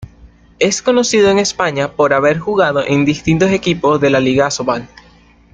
Es conocido en España por haber jugado en distintos equipos de la Liga Asobal.